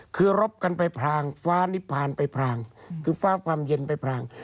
คือรบกันไปพรางฟ้านิพพานไปพรางคือฟ้าความเย็นไปพราง